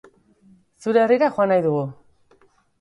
Zure herrira joan nahi dugu!